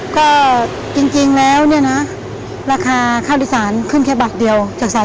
ก็จริงแล้วเนี่ยนะราคาข้าวโดยสารขึ้นแค่บาทเดียวจาก๓๐๐